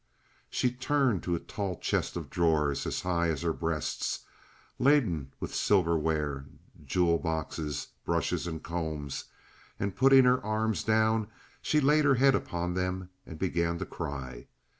She turned to a tall chest of drawers as high as her breasts, laden with silverware, jewel boxes, brushes and combs, and, putting her arms down, she laid her head upon them and began to cry.